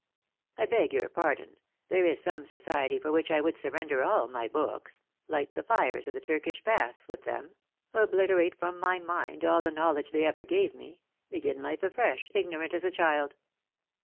" I beg your pardon ; there is some society for which I would surrender all my books — light the fires of the Turkish baths with them — obliterate from my mind all the know ledge they ever gave me — begin life afresh, ignorant as a child."